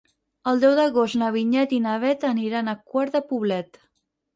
El deu d'agost na Vinyet i na Bet aniran a Quart de Poblet.